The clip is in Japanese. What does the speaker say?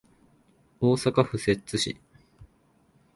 大阪府摂津市